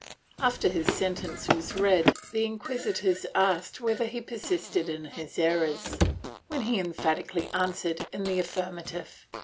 After his sentence was read, the inquisitors asked whether he persisted in his errors, when he emphatically answered in the affirmative.